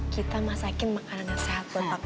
kita masakin makanan yang sehat buat papi